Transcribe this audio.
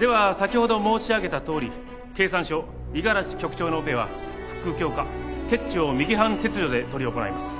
では先ほど申し上げたとおり経産省五十嵐局長のオペは腹腔鏡下結腸右半切除で執り行います。